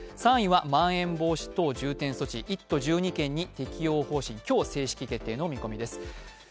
３位はまん延防止等重点措置、１都１２県に適用方針、今日、正式決定の見込みです。